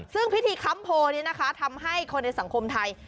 ซึ่งพิธีค้ำโพนี้นะคะทำให้คนในสังคมไทย